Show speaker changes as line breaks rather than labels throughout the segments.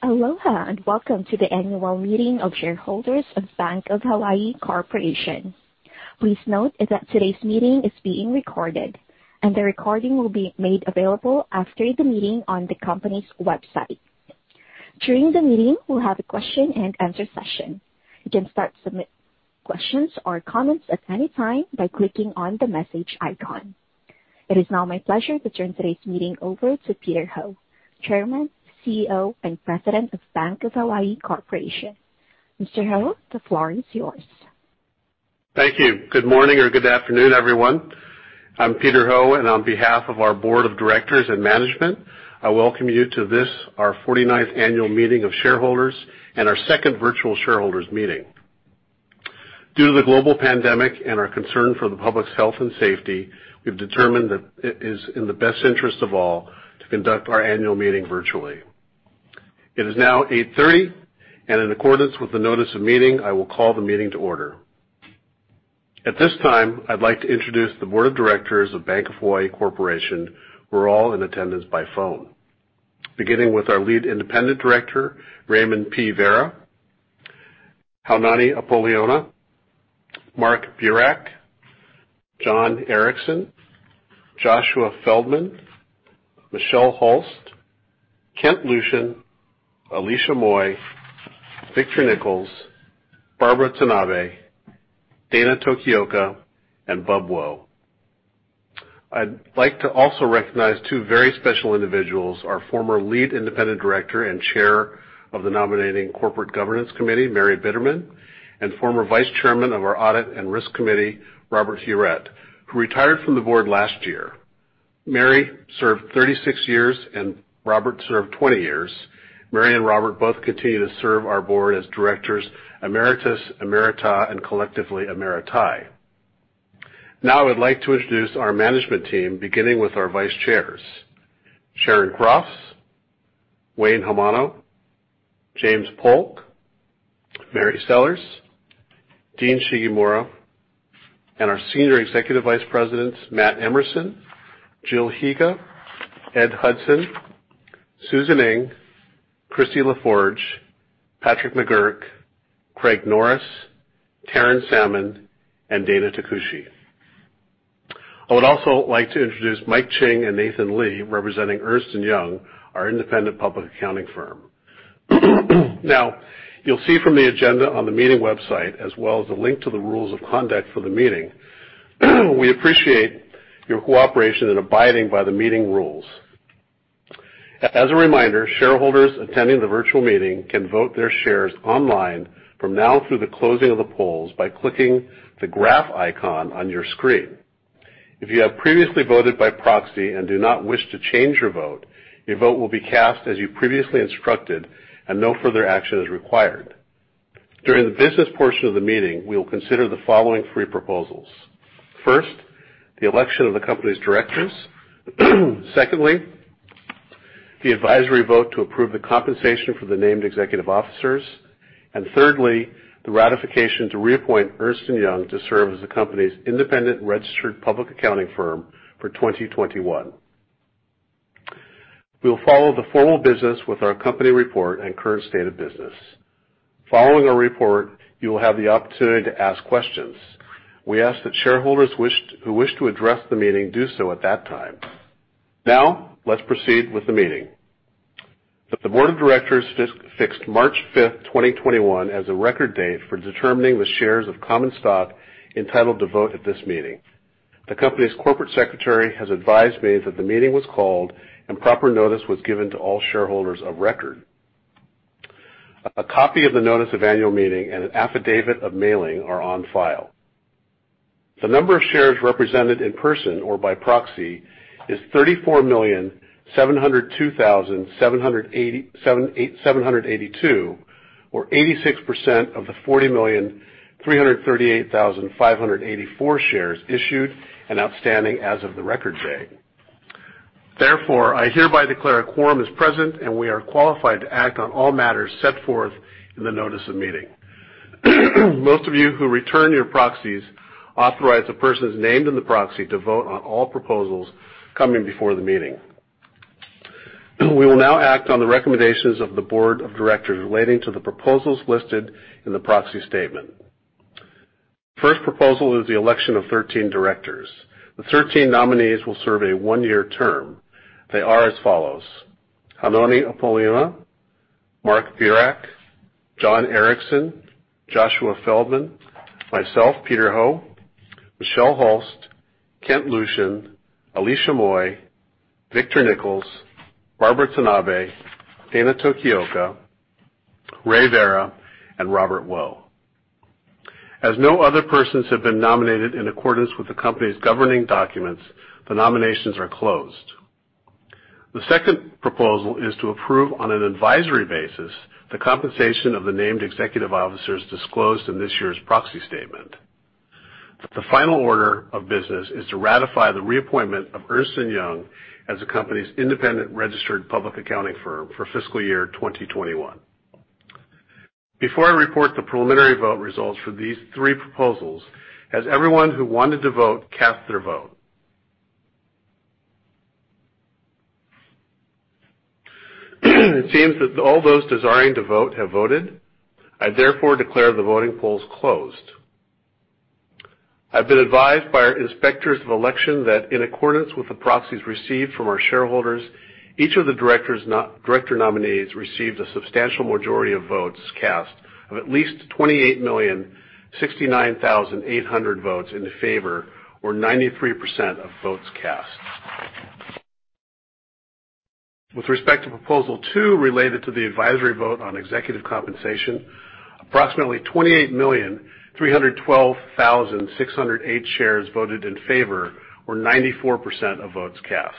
Aloha, welcome to the annual meeting of shareholders of Bank of Hawaii Corporation. Please note that today's meeting is being recorded, the recording will be made available after the meeting on the company's website. During the meeting, we'll have a question and answer session. You can start to submit questions or comments at any time by clicking on the message icon. It is now my pleasure to turn today's meeting over to Peter Ho, Chairman, CEO, and President of Bank of Hawaii Corporation. Mr. Ho, the floor is yours.
Thank you. Good morning or good afternoon, everyone. I'm Peter S. Ho, and on behalf of our board of directors and management, I welcome you to this, our 49th annual meeting of shareholders and our second virtual shareholders meeting. Due to the global pandemic and our concern for the public's health and safety, we've determined that it is in the best interest of all to conduct our annual meeting virtually. It is now 8:30 A.M., and in accordance with the notice of meeting, I will call the meeting to order. At this time, I'd like to introduce the board of directors of Bank of Hawaii Corporation, who are all in attendance by phone. Beginning with our lead independent director, Raymond P. Vara, Jr., S. Haunani Apoliona, Mark A. Burak, John C. Erickson, Joshua D. Feldman, Michelle E. Hulst, Kent T. Lucien, Alicia E. Moy, Victor K. Nichols, Barbara J. Tanabe, Dana M. Tokioka, and Robert W. Wo. I'd like to also recognize two very special individuals, our former Lead Independent Director and Chair of the Nominating & Corporate Governance Committee, Mary Bitterman, and former Vice Chairman of our Audit and Risk Committee, Robert Huret, who retired from the Board last year. Mary served 36 years, and Robert served 20 years. Mary and Robert both continue to serve our Board as directors emeritus, emerita, and collectively emeriti. Now I would like to introduce our management team, beginning with our Vice Chairs, Sharon Gross, Wayne Hamano, James Polk, Mary Sellers, Dean Shigemura, and our Senior Executive Vice Presidents, Matt Emerson, Jill Higa, Ed Hudson, Susan Ing, Kristi Lefforge, Patrick McGuirk, Craig Norris, Taryn Salmon, and Dana Takushi. I would also like to introduce Mike Ching and Nathan Lee, representing Ernst & Young, our independent public accounting firm. You'll see from the agenda on the meeting website as well as a link to the rules of conduct for the meeting. We appreciate your cooperation in abiding by the meeting rules. As a reminder, shareholders attending the virtual meeting can vote their shares online from now through the closing of the polls by clicking the graph icon on your screen. If you have previously voted by proxy and do not wish to change your vote, your vote will be cast as you previously instructed and no further action is required. During the business portion of the meeting, we will consider the following three proposals. First, the election of the company's directors. Secondly, the advisory vote to approve the compensation for the named executive officers. Thirdly, the ratification to reappoint Ernst & Young to serve as the company's independent registered public accounting firm for 2021. We will follow the formal business with our company report and current state of business. Following our report, you will have the opportunity to ask questions. We ask that shareholders who wish to address the meeting do so at that time. Now, let's proceed with the meeting. The board of directors fixed March 5th, 2021, as a record date for determining the shares of common stock entitled to vote at this meeting. The company's corporate secretary has advised me that the meeting was called and proper notice was given to all shareholders of record. A copy of the notice of annual meeting and an affidavit of mailing are on file. The number of shares represented in person or by proxy is 34,702,782, or 86% of the 40,338,584 shares issued and outstanding as of the record date. Therefore, I hereby declare a quorum is present, and we are qualified to act on all matters set forth in the notice of meeting. Most of you who return your proxies authorize the persons named in the proxy to vote on all proposals coming before the meeting. We will now act on the recommendations of the board of directors relating to the proposals listed in the proxy statement. First proposal is the election of 13 directors. The 13 nominees will serve a one-year term. They are as follows: S. Haunani Apoliona, Mark A. Burak, John C. Erickson, Joshua D. Feldman, myself, Peter S. Ho, Michelle E. Hulst, Kent T. Lucien, Alicia E. Moy, Victor K. Nichols, Barbara J. Tanabe, Dana M. Tokioka, Raymond P. Vara, Jr., and Robert W. Wo. As no other persons have been nominated in accordance with the company's governing documents, the nominations are closed. The second proposal is to approve on an advisory basis the compensation of the named executive officers disclosed in this year's proxy statement. The final order of business is to ratify the reappointment of Ernst & Young as the company's independent registered public accounting firm for fiscal year 2021. Before I report the preliminary vote results for these three proposals, has everyone who wanted to vote cast their vote? It seems that all those desiring to vote have voted. I therefore declare the voting polls closed. I've been advised by our inspectors of election that in accordance with the proxies received from our shareholders, each of the director nominees received a substantial majority of votes cast of at least 28,069,800 votes in the favor, or 93% of votes cast. With respect to Proposal two related to the advisory vote on executive compensation, approximately 28,312,608 shares voted in favor, or 94% of votes cast.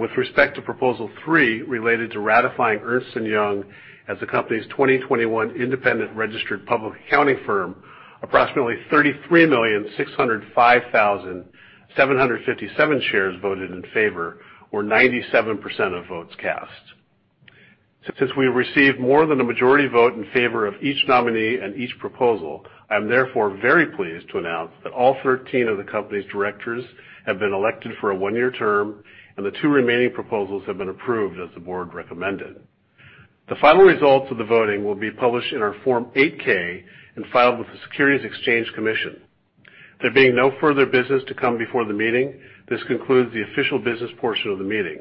With respect to Proposal three related to ratifying Ernst & Young as the company's 2021 independent registered public accounting firm, approximately 33,605,757 shares voted in favor, or 97% of votes cast. Since we received more than a majority vote in favor of each nominee and each proposal, I am therefore very pleased to announce that all 13 of the company's directors have been elected for a one-year term, and the two remaining proposals have been approved as the board recommended. The final results of the voting will be published in our Form 8-K and filed with the Securities and Exchange Commission. There being no further business to come before the meeting, this concludes the official business portion of the meeting.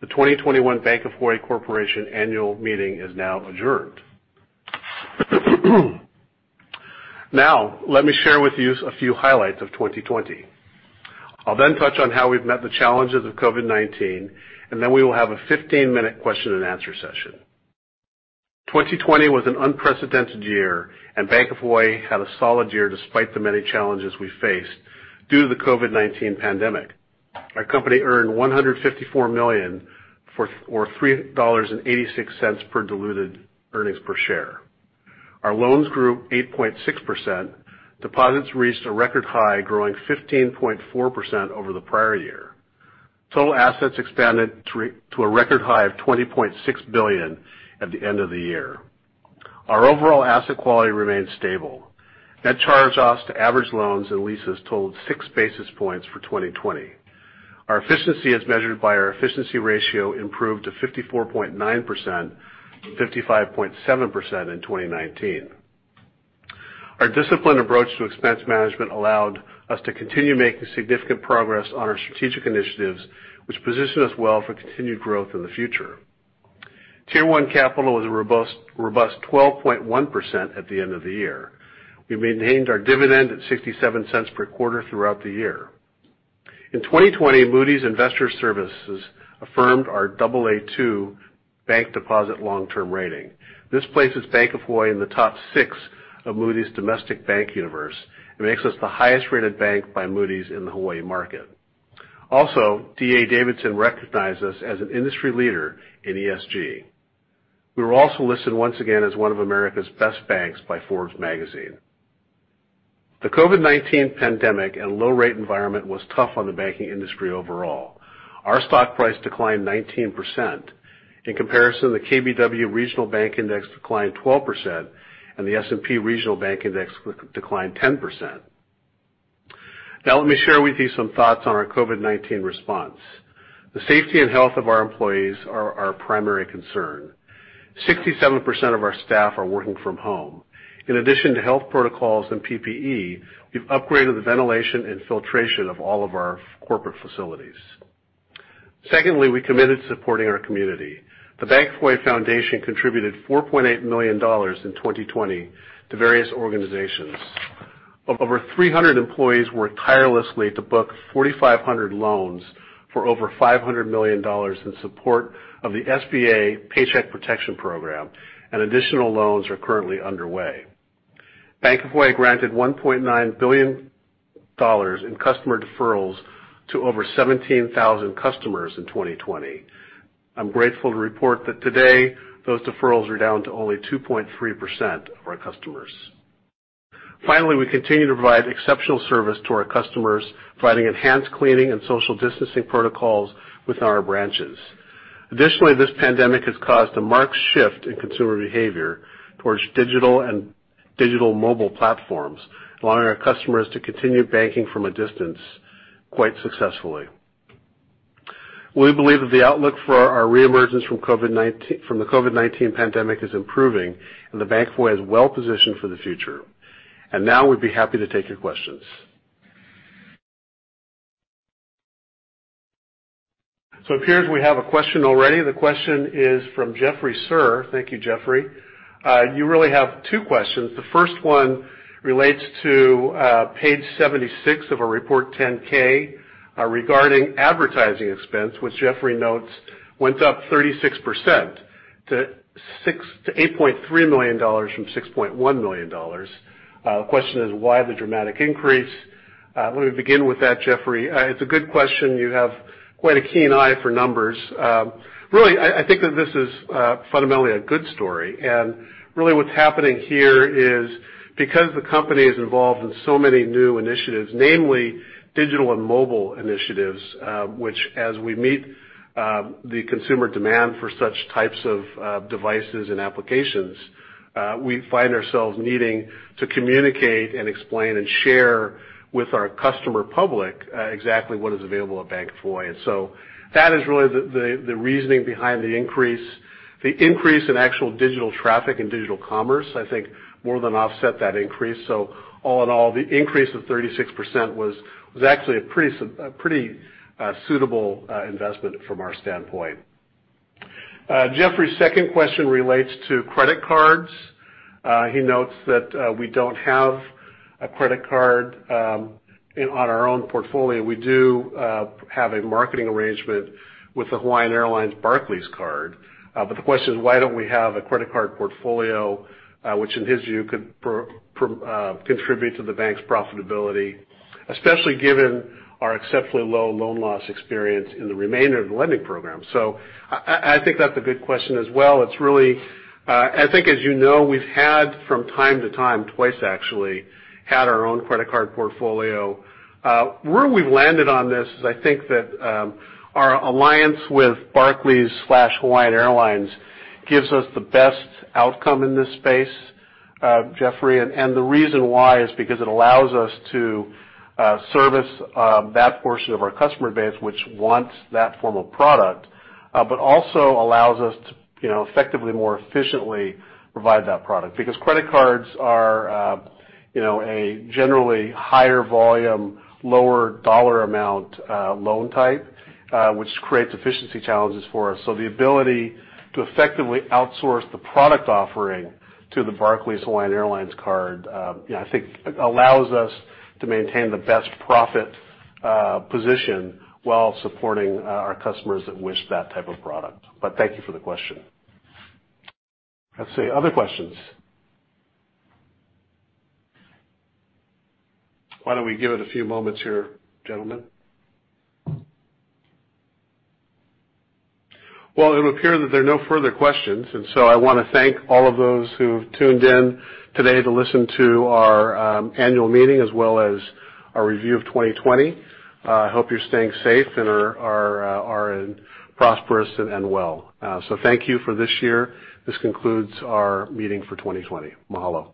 The 2021 Bank of Hawaii Corporation Annual Meeting is now adjourned. Now, let me share with you a few highlights of 2020. I'll then touch on how we've met the challenges of COVID-19, and then we will have a 15-minute question and answer session. 2020 was an unprecedented year, and Bank of Hawaii had a solid year despite the many challenges we faced due to the COVID-19 pandemic. Our company earned $154 million, or $3.86 per diluted earnings per share. Our loans grew 8.6%. Deposits reached a record high, growing 15.4% over the prior year. Total assets expanded to a record high of $20.6 billion at the end of the year. Our overall asset quality remained stable. Net charge-offs to average loans and leases totaled six basis points for 2020. Our efficiency as measured by our efficiency ratio improved to 54.9%, from 55.7% in 2019. Our disciplined approach to expense management allowed us to continue making significant progress on our strategic initiatives, which position us well for continued growth in the future. Tier 1 capital was a robust 12.1% at the end of the year. We maintained our dividend at $0.67 per quarter throughout the year. In 2020, Moody's Investors Service affirmed our Aa2 bank deposit long-term rating. This places Bank of Hawaii in the top six of Moody's domestic bank universe, and makes us the highest-rated bank by Moody's in the Hawaii market. D.A. Davidson recognized us as an industry leader in ESG. We were also listed once again as one of America's best banks by Forbes magazine. The COVID-19 pandemic and low rate environment was tough on the banking industry overall. Our stock price declined 19%. In comparison, the KBW Regional Banking Index declined 12%, and the S&P Regional Banks Select Industry Index declined 10%. Now let me share with you some thoughts on our COVID-19 response. The safety and health of our employees are our primary concern. 67% of our staff are working from home. In addition to health protocols and PPE, we've upgraded the ventilation and filtration of all of our corporate facilities. Secondly, we committed to supporting our community. The Bank of Hawaii Foundation contributed $4.8 million in 2020 to various organizations. Over 300 employees worked tirelessly to book 4,500 loans for over $500 million in support of the SBA Paycheck Protection Program, and additional loans are currently underway. Bank of Hawaii granted $1.9 billion in customer deferrals to over 17,000 customers in 2020. I'm grateful to report that today, those deferrals are down to only 2.3% of our customers. Finally, we continue to provide exceptional service to our customers, providing enhanced cleaning and social distancing protocols within our branches. Additionally, this pandemic has caused a marked shift in consumer behavior towards digital and digital mobile platforms, allowing our customers to continue banking from a distance quite successfully. We believe that the outlook for our reemergence from the COVID-19 pandemic is improving, and that Bank of Hawaii is well positioned for the future. Now we'd be happy to take your questions. It appears we have a question already. The question is from Jeffrey Sur. Thank you, Jeffrey. You really have two questions. The first one relates to page 76 of our Report 10-K, regarding advertising expense, which Jeffrey notes went up 36% to $8.3 million from $6.1 million. Question is, why the dramatic increase? Let me begin with that, Jeffrey. It's a good question. You have quite a keen eye for numbers. Really, I think that this is fundamentally a good story. Really what's happening here is because the company is involved in so many new initiatives, namely digital and mobile initiatives, which as we meet the consumer demand for such types of devices and applications, we find ourselves needing to communicate and explain and share with our customer public exactly what is available at Bank of Hawaii. That is really the reasoning behind the increase. The increase in actual digital traffic and digital commerce, I think more than offset that increase. All in all, the increase of 36% was actually a pretty suitable investment from our standpoint. Jeffrey's second question relates to credit cards. He notes that we don't have a credit card on our own portfolio. We do have a marketing arrangement with the Hawaiian Airlines Barclays card. The question is, why don't we have a credit card portfolio, which in his view, could contribute to the bank's profitability, especially given our exceptionally low loan loss experience in the remainder of the lending program. I think that's a good question as well. I think, as you know, we've had from time to time, twice actually, had our own credit card portfolio. Where we've landed on this is I think that our alliance with Barclays/Hawaiian Airlines gives us the best outcome in this space, Jeffrey. The reason why is because it allows us to service that portion of our customer base, which wants that form of product, but also allows us to effectively more efficiently provide that product. Credit cards are a generally higher volume, lower dollar amount loan type, which creates efficiency challenges for us. The ability to effectively outsource the product offering to the Barclays Hawaiian Airlines card I think allows us to maintain the best profit position while supporting our customers that wish that type of product. Thank you for the question. Let's see. Other questions? Why don't we give it a few moments here, gentlemen? Well, it would appear that there are no further questions. I want to thank all of those who've tuned in today to listen to our annual meeting as well as our review of 2020. I hope you're staying safe and are prosperous and well. Thank you for this year. This concludes our meeting for 2020. Mahalo